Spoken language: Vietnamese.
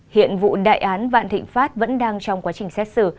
hiện vụ đại án vạn thịnh pháp vẫn đang trong quá trình xét xử